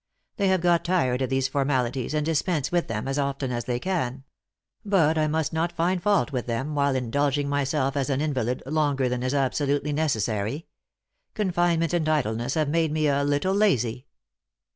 They have got tired of these formalities, and dispense with them as often as they can. But I must not find fault with them, while indulging myself as an invalid longer than is absolutely necessary. Confinement and idle ness have made me a little lazy."